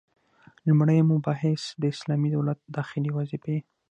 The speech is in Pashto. لومړی مبحث: د اسلامي دولت داخلي وظيفي: